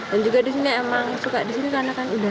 dan juga disini emang suka disini karena kan udara